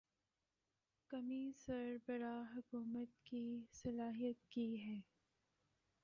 کمی سربراہ حکومت کی صلاحیت کی ہے۔